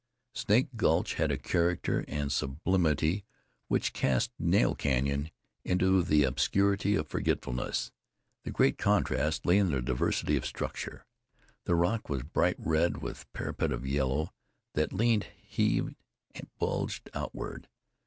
Snake Gulch had a character and sublimity which cast Nail Canyon into the obscurity of forgetfulness. The great contrast lay in the diversity of structure. The rock was bright red, with parapet of yellow, that leaned, heaved, bulged outward.